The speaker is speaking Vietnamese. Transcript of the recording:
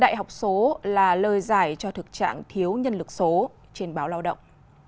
đại học số là lời giải cho thực trạng thiếu nhân lực số trên báo lao động